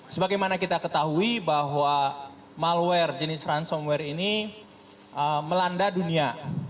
sebagaimana kita ketahui bahwa malware jenis ransongware ini melanda dunia